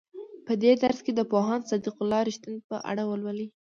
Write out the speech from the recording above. په دې درس کې د پوهاند صدیق الله رښتین په اړه ولولئ.